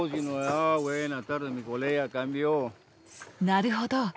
なるほど。